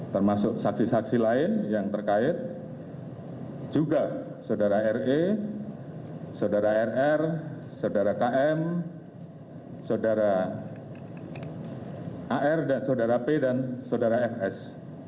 termasuk saksi saksi lain yang terkait juga saudara re saudara rr saudara km saudara ar dan saudara p dan saudara fs